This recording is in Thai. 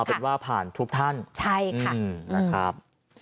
เป็นว่าผ่านทุกท่านใช่ค่ะนะครับ